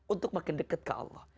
untuk makin dekat ke allah